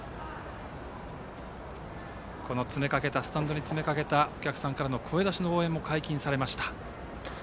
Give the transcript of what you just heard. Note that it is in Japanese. スタンドに詰め掛けたお客さんからの声出しの応援も解禁されました。